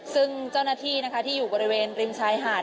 ซึ่งเจ้าหน้าที่นะคะที่อยู่บริเวณริมชายหาด